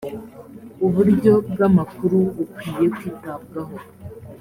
uburyo bw amakuru bukwiye kwitabwaho